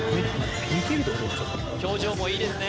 表情もいいですね